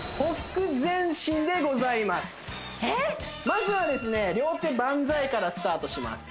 まずはですね両手バンザイからスタートします